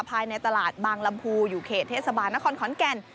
ภายในตลาดบางลำพูอยู่เขตเทศบาลนครขอนแก่น